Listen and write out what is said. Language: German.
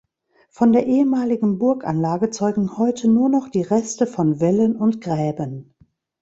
Von der ehemaligen Burganlage zeugen heute nur noch die Reste von Wällen und Gräben.